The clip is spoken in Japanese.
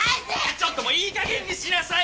ちょっともういい加減にしなさい！